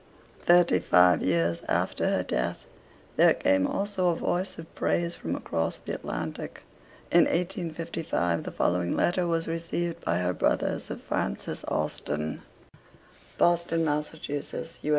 Thirty five years after her death there came also a voice of praise from across the Atlantic. In 1852 the following letter was received by her brother Sir Francis Austen: 'Boston, Massachusetts, U.